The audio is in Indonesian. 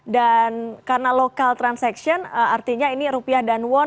dan karena local transaction artinya ini rupiah dan won